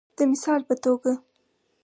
د مثال په توګه